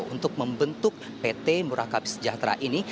untuk membentuk pt murakabi sejahtera ini